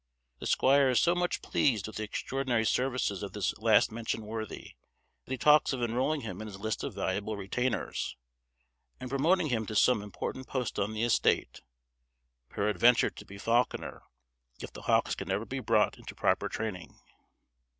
The squire is so much pleased with the extraordinary services of this last mentioned worthy, that he talks of enrolling him in his list of valuable retainers, and promoting him to some important post on the estate; peradventure to be falconer, if the hawks can ever be brought into proper training.